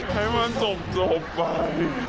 ให้มันจบไป